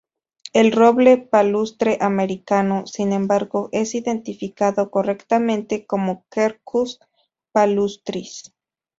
El roble palustre americano, sin embargo, es identificado correctamente como "Quercus palustris".